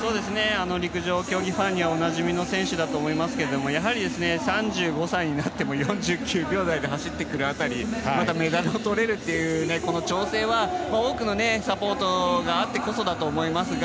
陸上競技ファンにはおなじみの選手だと思いますがやはり３５歳になっても４９秒台で走ってくる辺りまだメダルをとれるという調整は、多くのサポートがあってこそだと思いますか